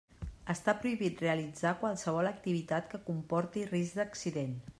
Està prohibit realitzar qualsevol activitat que comporti risc d'accident.